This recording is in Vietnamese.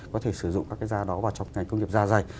có thể sử dụng các cái da đó vào trong ngành công nghiệp da dày